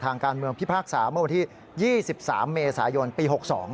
ทางการเมืองพิพากษาเมื่อวันที่๒๓เมษายนปี๖๒